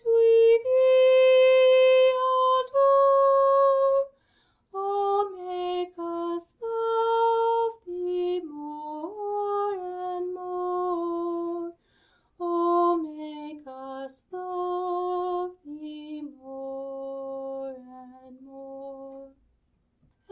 we Thee adore, Oh, make us love Thee more and more, Oh, make us love Thee more and more.